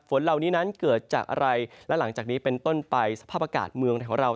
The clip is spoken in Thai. ฝนเหล่านี้นั้นเกิดจากอะไรและหลังจากนี้เป็นต้นไปสภาพอากาศเมืองไทยของเรา